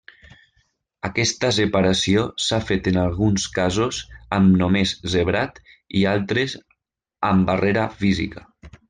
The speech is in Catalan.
Aquesta separació s'ha fet en alguns casos amb només zebrat i altres amb barrera física.